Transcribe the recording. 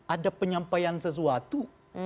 ada penyampaian sesuatu